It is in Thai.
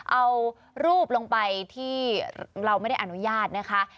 เอารูปลงไปที่เราไม่ได้อนุญาตนะคะ